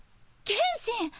剣心！